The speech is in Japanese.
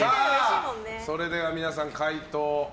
それでは皆さん、解答を。